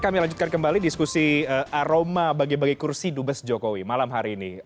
kami lanjutkan kembali diskusi aroma bagi bagi kursi dubes jokowi malam hari ini